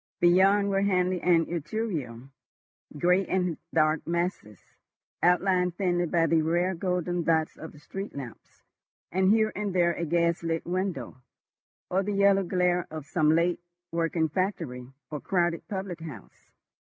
Beyond were Hanley and Etruria, grey and dark masses, outlined thinly by the rare golden dots of the street lamps, and here and there a gaslit window, or the yellow glare of some late working factory or crowded public house.